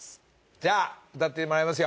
じゃあ歌ってもらいますよ。